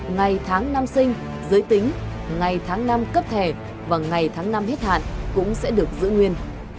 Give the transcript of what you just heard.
ngày tháng năm sinh giới tính ngày tháng năm cấp thẻ và ngày tháng năm hết hạn cũng sẽ được giữ nguyên